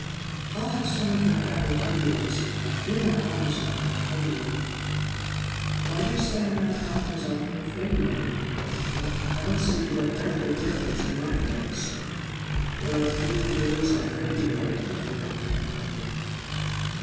"I'll have some of them call in February," said Pat. "You're not out as often in February." "Why do you say I'm not out as often in February?" demanded her mother. "I don't see what earthly difference the month makes." "There are fewer days in February," retorted Pat airily.